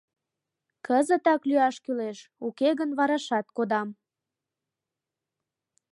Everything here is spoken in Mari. — Кызытак лӱяш кӱлеш, уке гын варашат кодам...»